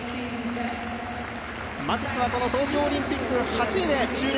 マティスは東京オリンピック８位で終了。